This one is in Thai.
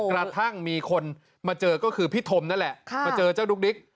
กระทั่งมีคนมาเจอก็คือพี่ธมนั่นแหละมาเจอเจ้าดุ๊กดิ๊ก